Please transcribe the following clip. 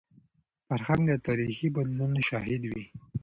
فرهنګ د تاریخي بدلونونو شاهد وي.